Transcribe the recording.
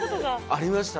ありました。